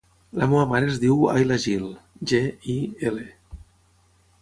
La meva mare es diu Ayla Gil: ge, i, ela.